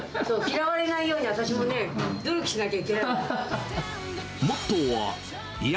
嫌われないように、私もね、努力しなきゃいけない。